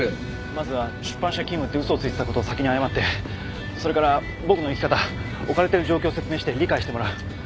まずは出版社勤務って嘘をついてたことを先に謝ってそれから僕の生き方置かれてる状況を説明して理解してもらう。